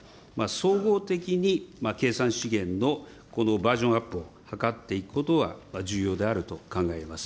総合的に計算資源のこのバージョンアップを図っていくことは重要であると考えます。